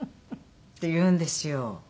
って言うんですよ。